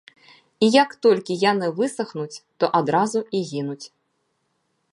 І як толькі яны высахнуць, то адразу і гінуць.